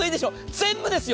全部ですよ。